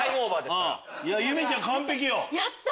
やった！